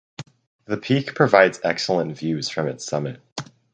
The peak provides excellent views from its summit.